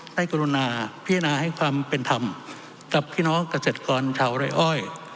กรุณาพิจารณาให้ความเป็นธรรมกับพี่น้องเกษตรกรชาวไร้อ้อย